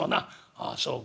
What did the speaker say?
「ああそうか。